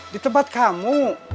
di tempat kamu